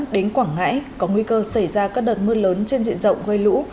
đến quảng ngãi có nguy cơ xảy ra các đợt mưa lớn trên diện rộng gây lũ